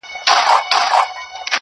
مُلا سړی سو، اوس پر لاره د آدم راغلی~